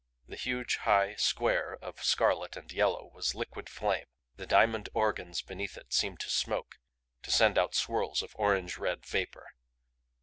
The huge, high square of scarlet and yellow was liquid flame; the diamond organs beneath it seemed to smoke, to send out swirls of orange red vapor.